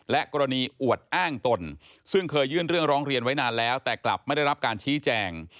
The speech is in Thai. กรณีอวดอ้างตนซึ่งเคยยื่นเรื่องร้องเรียนไว้นานแล้วแต่กลับไม่ได้รับการชี้แจง